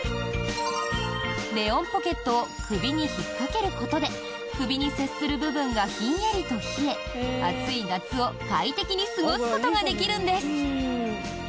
ＲＥＯＮＰＯＣＫＥＴを首に引っかけることで首に接する部分がひんやりと冷え暑い夏を快適に過ごすことができるんです。